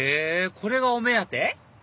これがお目当て？